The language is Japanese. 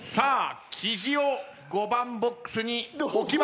きじを５番ボックスに置きました。